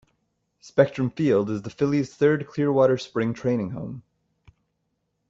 Spectrum Field is the Phillies' third Clearwater spring-training home.